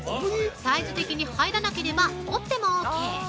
サイズ的に、入らなければ、折ってもオーケー。